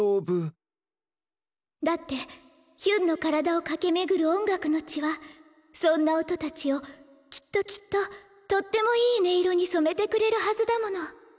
だってヒュンの体を駆け巡る音楽の血はそんな音たちをきっときっととってもいい音色に染めてくれるはずだもの。